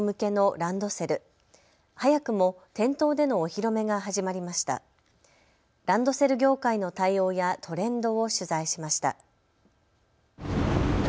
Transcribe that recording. ランドセル業界の対応やトレンドを取材しました。